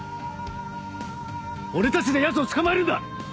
俺たちでヤツを捕まえるんだ！